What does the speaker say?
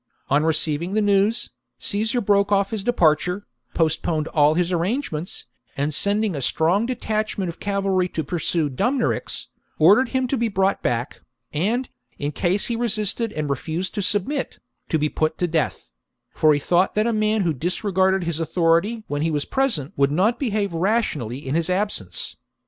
On receiving the news, Caesar broke off his departure, postponed all his arrangements, and sending a strong detachment of cavalry to pursue Dumnorix, ordered him to be brought back, and, in case he resisted and refused to submit, to be put to death ; for he thought that a man who disregarded his authority when he was present would not behave rationally in his absence.)